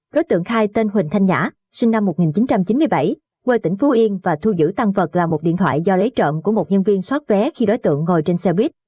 đối tượng khai tên huỳnh thanh nhã sinh năm một nghìn chín trăm chín mươi bảy quê tỉnh phú yên và thu giữ tăng vật là một điện thoại do lấy trộm của một nhân viên xoát vé khi đối tượng ngồi trên xe buýt